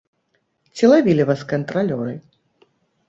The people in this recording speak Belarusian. Ці лавілі вас кантралёры?